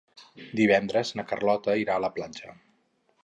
Divendres na Carlota irà a la platja.